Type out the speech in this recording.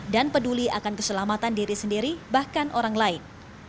dan peduli akan keselamatan diri sendiri bahkan orang lain